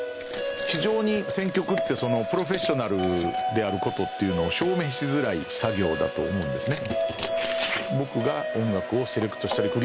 非常に選曲ってそのプロフェッショナルであることっていうのを証明しづらい作業だと思うんですね。